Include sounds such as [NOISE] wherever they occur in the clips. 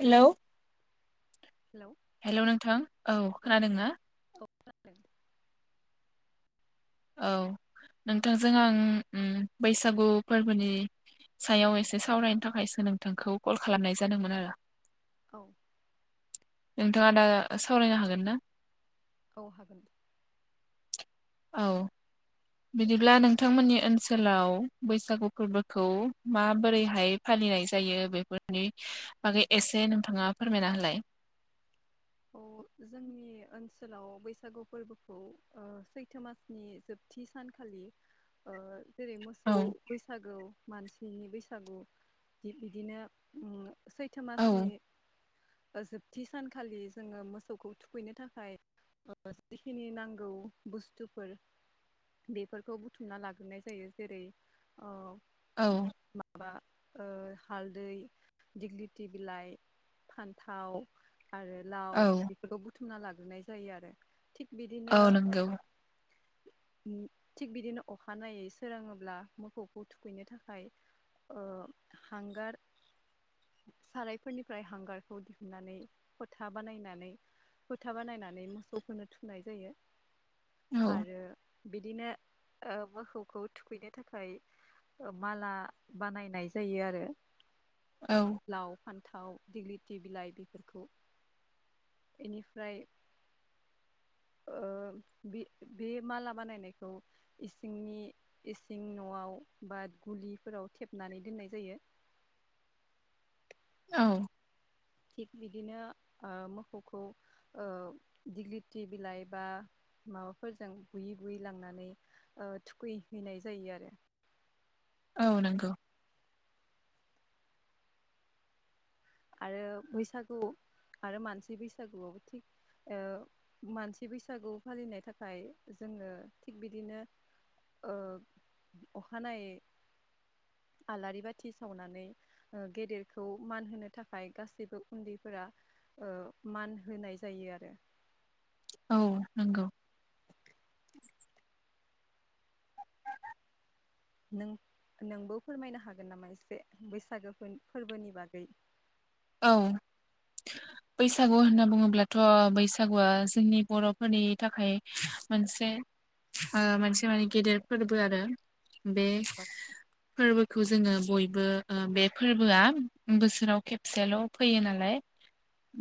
Hello. Hello hello नोंथां औ खोनादोंना? [INAUDIBLE] औ नोंथांजों आं ओम बैसागु फोरबोनि सायाव एसे सावरायनो थाखायसो नोंथांखौ कल खालामनाय जादोंमोन आरो। औ। नोंथाङा दा सावरायनो हागोन ना? औ हागोन। औ। बिदिब्ला नोंथांमोननि ओनसोलाव बैसागु फोरबोखौ माबोरैहाय फालि फालिनाय जायो बेफोरनि बागै एसे नोंथाङा फोरमायना होलाय। औ जोंनि ओनसोलाव बैसागु फोरबोखौ ओ सैथो मासनि जोब थि सानखालि ओ [INAUDIBLE] जेरै मोसौ औ बैसागौ मानसिनि बैसागु थिग‌बिदिनो ओं सैथो औ मासनि ओ जोबथि सानखालि जोङो मोसौखौ थुखैनो थाखाय ओ जिखिनि नांगौ बुस्थुफोर बेफोरखौ बुथुमना लाग्रोनाय जायो जेरै ओ औ। बा ओ हालदै दिग्लिथि बिलाइ। फान्थाव आरो औ लाव बेफोरखौ बुथुमना लाग्रोनाय जायो आरो थिग औ बिदिनो नंगौ ओ [INAUDIBLE] थिग बिदिनो अखानायै सोरङोब्ला मोसौखौ थुखैनो थाखाय ओ हांगार सारायफोरनिफ्राय हांगारखौ दिहुननानै फोथा बानायनानै फोथा बानायनानै मोसौफोरो थुननाय जायो। औ आरो बिदिनो ओ मोसौखौ थुखैनो थाखाय ओ माला बानायनाय जायो आरो। औ। लाव फान्थाव दग्लिथि बिलाइ बेफोरखौ बेनिफ्राय [INAUDIBLE] ओ बे बे माला बानायनायखौ इसिंनि इसिं न'आव बा गुलिफोराव थेबनानै दोननाय जायो। [INAUDIBLE] औ। थिग बिदिनो ओ मोखौखौ दिग्लिथि बिलाइ बा माबाफोरजों गुयै गुयै लांनानै ओ थुखैहैनाय जायो आरो। औ नंगौ। आरो बैसागु आरो मानसि बैसागुआवबो थिग ओ मानसि बैसागु फालिनो थाखाय जोङो थिग बिदिनो ओ अखानायै आलारि बाथि सावनानै ओ गेदेरखौ मान होनो थाखाय गासैबो उन्दैफोरा ओ मान होनाय जायो आरो औ नंगौ नों नोंबो फोरमायनो हागोन नामा एसे बैसागो फोरबोनि बागै औ बैसागु होनना बुङोब्लाथ' बैसागुआ जोंनि बर'फोरनि थाखाय मोनसे ओ मोनसे माने गेदेर फोरबो आरो बे औ फोरबोखौ जोङो बयबो ओ बे फोरबोआ बोसोराव खेब खबसेल' फैयो नालाय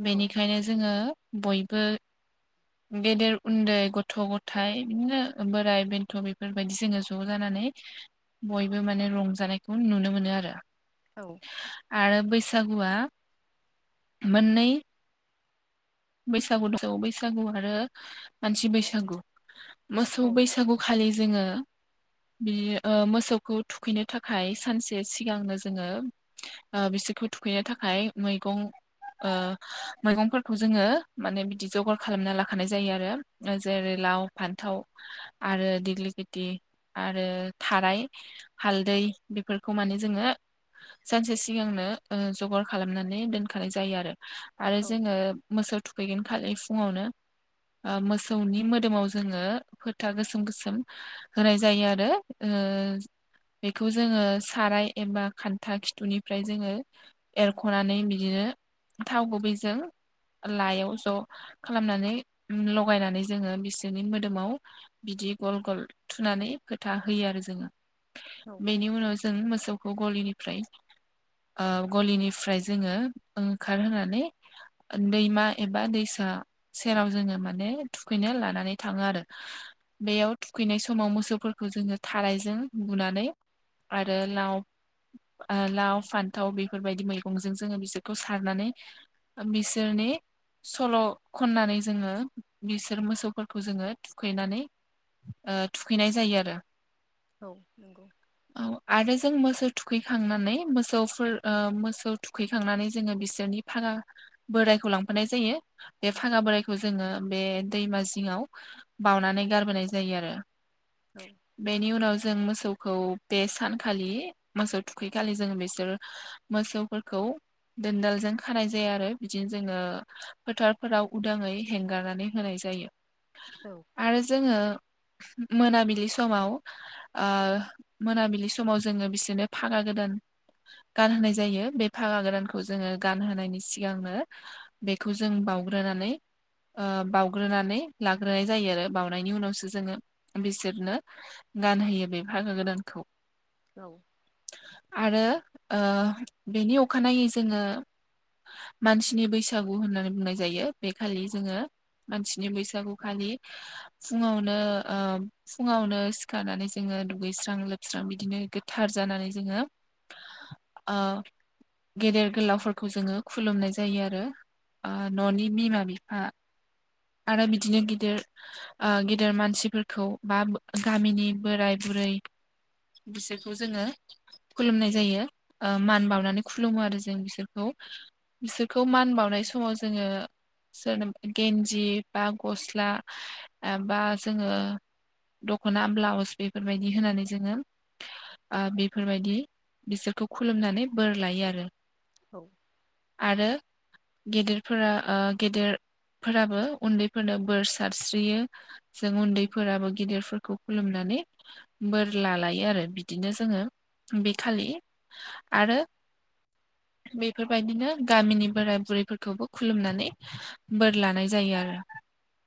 औ बेनिखायनो जोङो बयबो गेदेर उन्दै गथ' गथाय बिदिनो बोराय बेन्थ' बेफोरबायदि जोङो ज' जानानै नै बयबो माने रंजानायखौ नुनो मोनो आरो औ आरो बैसागुआ मोननै बैसागुखौ बैसागु आरो मानसि बैसागु मोसौ औ बैसागुखालि जोङो बि ओ मोसौखौ थुखैनो थाखाय सानसे सिगांनो जोङो ओ बिसोर फोद थुखैनो थाखाय मैगं ओ मैगं जोङो माने बिदि जगार खालामना लाखानाय जायो आरो जेरै लाव फान्थाव आर आरो देग्लि लेथि आरो थाराय हालदै बेफोरखौ माने जोङो सानसे सिगांनो ओ जगार खालामनानै दोनखानाय जायो आरो आरो जोङो मोसौ थुखैगोन खालि फुङावनो ओ मोसौनि मोदोमाव जोङो फोथा गोसोम गोसोम होनाय जायो आरो ओ बेखौ जोङो साराय एबा खान्था खिथुनिफ्राय जोङो एरख'नानै बिदिनो थाव गुबैजों लाइयाव ज' खालामनानै लगायनानै जोङो बिसोरनि मोदोमाव बिदि इ गल गल थुनानै फोथा होयो आरो जों औ बेनि उनाव जों [UNINTELLIGIBLE] खौ गलिनिफ्राय ओ गलिनिफ्राय जोङो ओंखारहोनानै ओ दैमा एबा दैसा सेराव जोङो माने थुखैनो लानानै थाङो आरो बेयाव थुखैनाय समाव मोसौफोरखौ जोङो थारायजों बुनानै आरो लाव ओ लाव फान्थाव बेफोरबायदि मैगंजों जोङो बिसोरखौ सारनानै ओ मिस दोरनि सल' खननानै जोङो बिसोर मोसौफोरखौ जोङो थुखैनानै ओ थुखैनाय जायो आरो औ नंगौ औ आरो जों मोसौ थुखैखांनानै मोसौफोर ओ मोसौ थुखैखांनानै जोङो बिसोरनि फागा बोरायखौ लांफानाय जायो बे फागा बोरायखौ जोङो बे दैमा जिङाव बावनानै गारबोनाय जायो आरो औ बेनि उनाव जों मोसौ मोसौखौ बे सानखालि मोसौ थुखैखालि जोङो बिसोर मोसौफोरखौ दोनदालजों खानाय जाया आरो बिदिनो जोङो फोथारफोराव उदाङै हेंगारनानै होनाय जायो औ आरो जोङो मोनाबिलि समाव ओ मोनाबिलि समाव जोङो बिसोरनो फागा गोदान गोदान गान होनाय जायो बे फागा गोदानखौ जोङो गान होनायनि सिगां सिगांनो बेखौ जों बावग्रोनानै ओ बाउग्रो नानै लाग्रोनाय जायो आरो बाउनायनि उनावसो जोङो बिसोरनो गानहोयो बे भागो गोदानखौ औ आरो ओ बेनि अखानायै जोङो मानसिनि बैसागु होननानै बुंनाय जायो बे खालि जोङो मानसिनि बैसागु खालि फुङावनो ओ फुङावनो सिखारनानै जोङो दुगैस्रां लोबस्रां बिदिनो गोथार जानानै जोङो ओ गेदेर गोलाव फोरखौ जोङो खुलुमनाय जायो आरो ओ न'नि बिमा बिफा आरो बिदिनो गिदिर ओ गेदेर मानसि फोरखौ बा गामिनि बोराय बुरै बिसोरखौ जोङो खुलुमनाय जायो ओ मान बावनानै खुलुमो आरो जों बिसोरखौ। बिसोरखौ मान बावनाय समाव जोङो सोरनोबा गेनजि बा गस्ला बा जोङो दख'ना ब्लाउस बेफोर बायदि होनानै जोङो ओ बेफोर बायदि बिसोरखौ खुलुमनानै बोर लायो आरो। औ। आरो गेदेर फोरा ओ गेदेर फोराबो उन्दै फोरनो बोर सारस्रियो जों उन्दै फोराबो गिदिर फोरखौ खुलुमनो नै बोर लालायो आरो बिदिनो जोङो बे खालि आरो बे बेफोर बायदिनो गामिनि बोराय बुरै फोरखौबो खुलुमनानै बोर लानाय जायो आरो।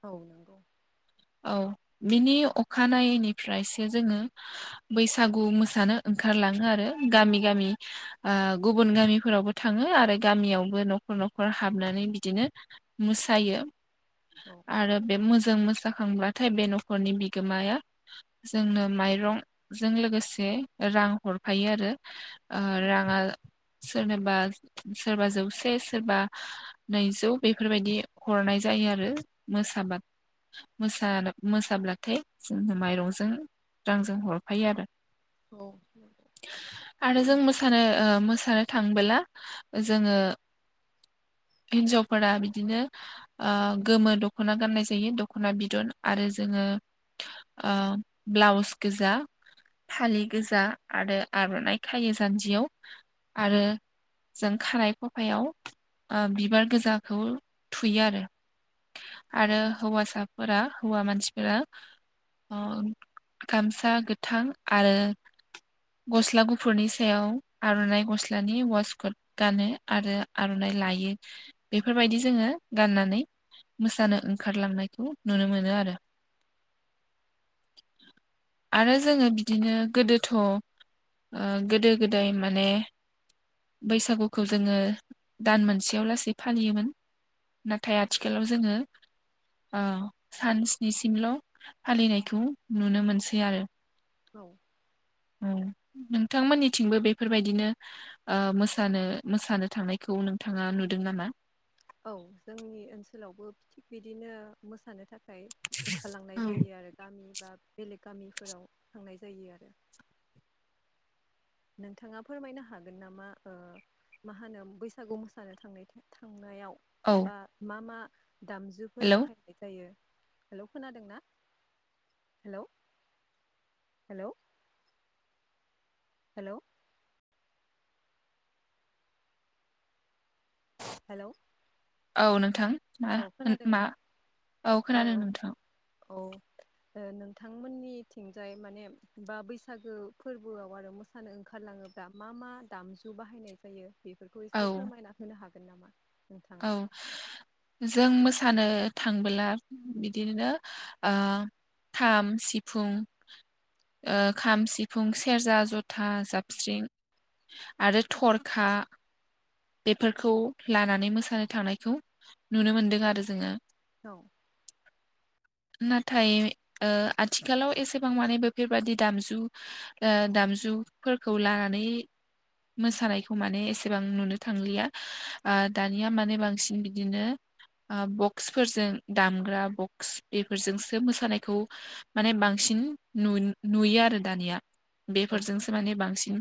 औ नंगौ। औ बिनि अखानायैनि फ्रायसो जोङो बैसागु मोसानो ओंखारला ङो आरो गामि गामि ओ गुबुन गामि फोरावबो थाङो आरो गामियावबो न'खर न'खर हाबनानै बिदिनो मोसायो। औ आरो बे मोजां मोसा खांब्लाथाय बे न'खरनि बिगोमाया जोंनो माइरं जों लोगोसे रां हरफायो आरो ओ राङा सोरनोबा सोरबा जौसे सोरबा नैजौ बेफोर बायदि हरनाय जायो आरो। मोसाबाद मोसा मोसाब्लाथाय जोंनो माइरं जों रांजों हरफायो आरो। औ नंगौ आरो जों मोसानो ओ मोसानो थांबोला जोङो हिनजाव फोरा बिदिनो ओ गोमो दख'ना गाननाय जायो दख'ना बिदन आरो जोङो ओ ब्लाउस गोजा फालि गोजा आरो आर'नाइ खायो जान्जियाव आरो जों खानाइ खफायाव ओ बिबार गोजाखौ थुयो आरो। औ आरो हौवासा फोरा हौवा मानसि फोरा ओ गामसा गोथां आरो गस्ला गुफुरनि सायाव आर'नाइ गस्लानि वास कट गानो आरो आर'नाइ लायो बेफोर बायदि जोङो गाननानै मोसानो ओंखार लांनायखौ नुनो मोनो आरो। आरो जोङो बिदिनो गोदोथ' ओ गोदो गोदाय माने बैसागुखौ जोङो दान मोनसेयाव लासै फालियोमोन। नाथाय आथिखालाव जोङो ओ सान स्नि सिमल' फालिनायखौ नुनो मोनसै आरो। औ। नोंथां मोननिथिंबो बेफोर बायदिनो ओ मोसानो मोसानो थांनायखौ नोंथाङा नुदों नामा? औ जोंनि ओनसोलावबो थिग बिदिनो मोसानो थाख खाय ओंखारलांनाय औ जायो आरो गामि बा बेलेग गामिफोराव थांनाय जायो आरो। नोंथाङा फोरमायनो हागोन नामा ओ मा होनो बैसागु मोसानो थांनाय थांनायाव औ बा मा मा दामजुफोर हेलौ बाहायनाय जायो? हेलौ खोनादों ना हेलौ। हेल'। हेल'। हेलौ। औ नोंथां मा औ मा खोनादोंना औ औ खोनादों नोंथां। औ। ओ नोंथांमोननिथिंजाय माने बा बैसागो फोरबोआव आरो मोसानो ओंखारला थाङोबा मा मा दामजु बाहायनाय जायो बेफोरखौ औ एसे फोरमायना होनो हागोन नामा? नोंथाङा औ। जों मोसानो थांबोला बिदिनो ओ खाम सिफुं ओ खाम सिफुं सेरजा जथा जाबस्रिं आरो थरखा बेफोरखौ लानानै मोसा नो थांनायखौ नुनो मोनदों आरो जोङो। औ। [INAUDIBLE] नाथाय ओ आथिखालाव एसेबां माने बेफोरबादि दामजु ओ दाम जुफोरखौ लानानै मोसानायखौ माने एसेबां नुनो थांलिया ओ दा दानिया माने बांसिन बिदिनो ओ बक्सफोरजों दामग्रा बक्स बेफोरजोंसो मोसानायखौ माने बांसि बांसिन नु नुयो आरो दानिया औ बेफोरजोंसो माने बांसिन।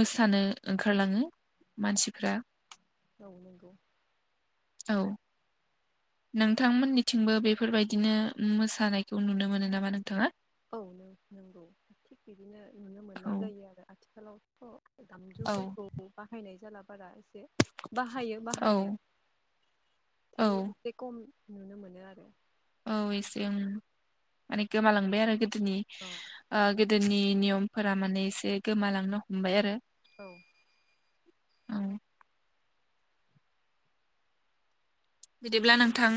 मोसानो ओंखारलाङो मानसिफ्रा औ नंगौ। औ। नोंथांमोननिथिंबो बेफोरबायदिनो मोसानायखौ नुनो मोनो नामा नोंथाङा? औ नों नंगौ थिग बिदिनो नुनो औ मोननाय जायो आरो आथिखालावथ' औ दामजुफोरखौ बाहायनाय जाला बारा। बाहायो औ बाहायनाया औ थेव एसे खम नुनो मोनो आरो। औ एसे उम माने गोमालांबाय आरो गोदोनि औ ओ गोदोनि नियमफोरा माने एसे गोमालांनो हमबाय आरो। औ। औ बिदिब्ला नोंथां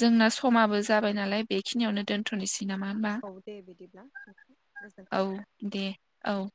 जोंना समाबो जाबाय नालाय बेखिनियावनो दोनथ'नोसै। नामा होमबा औ दे बिदिब्ला नोंथां औ गोजोन्थों दे औ। [INAUDIBLE]